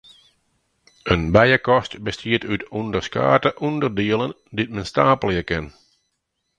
In bijekast bestiet út ûnderskate ûnderdielen dy't men steapelje kin.